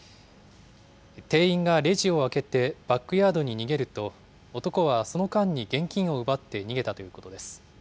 店員がレジを開けてバックヤードに逃げると、男はその間に現金を奪って逃げたということです。